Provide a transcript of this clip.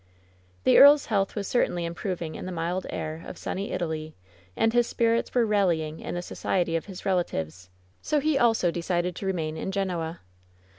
The earl's health was certainly improving in the mild air of sunny Italy, and his spirits were rallying in the society of his relatives, so he also decided to remain in Genoa.